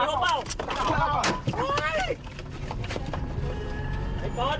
เฮ้ย